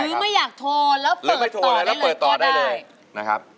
หรือไม่อยากโทรแล้วเปิดต่อได้เลยก็ได้หรือไม่โทรแล้วเปิดต่อได้เลยนะครับ